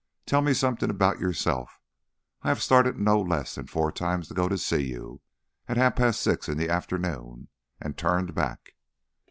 Tell me something about yourself. I have started no less than four times to go to see you at half past six in the afternoon and turned back."